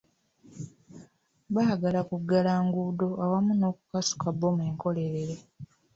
Baagala kuggala nguudo awamu n'okukasuka bbomu enkolerere.